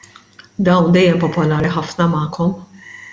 Dawn dejjem popolari ħafna magħkom.